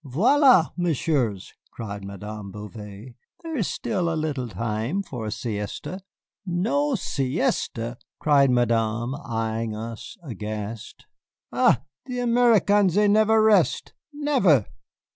"Voilá! Messieurs," cried Madame Bouvet, "there is still a little time for a siesta. No siesta!" cried Madame, eying us aghast; "ah, the Americans they never rest never."